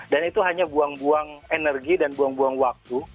dan itu hanya buang buang energi dan buang buang waktu